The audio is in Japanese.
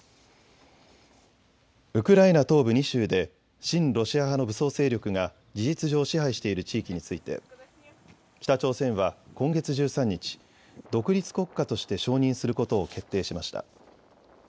ウクライナ東部２州で親ロシア派の武装勢力が事実上、支配している地域について北朝鮮は今月１３日、独立国家として承認することを決定しました。